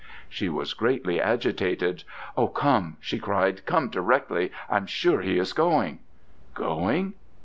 She was greatly agitated. "O come!" she cried, "come directly. I'm sure he is going." "Going?